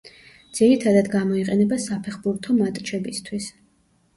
ძირითადად გამოიყენება საფეხბურთო მატჩებისთვის.